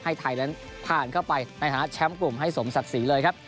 ให้ไทยนั้นผ่านเข้าไปในฐานะแชมป์กลุ่มให้สมศักดิ์ศรีเลยครับ